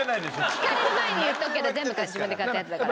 聞かれる前に言っておくけど全部自分で買ったやつだから。